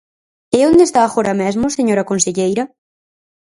¿E onde está agora mesmo, señora conselleira?